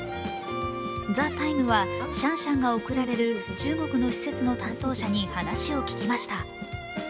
「ＴＨＥＴＩＭＥ，」はシャンシャンが送られる中国の施設の担当者に話を聞きました。